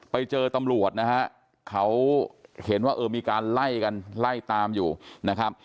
ไปเจอตำรวจนะฮะเขาเห็นว่าเออมีการไล่กันไล่ตามอยู่นะครับ